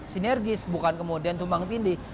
sinergis bukan kemudian tumpang tindih